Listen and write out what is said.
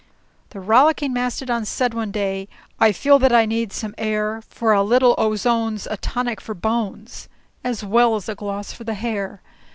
The Rollicking Mastodon said one day, "I feel that I need some air, For a little ozone's a tonic for bones, As well as a gloss for the hair."